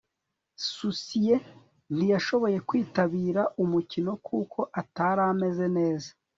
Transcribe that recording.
susie ntiyashoboye kwitabira umukino kuko atari ameze neza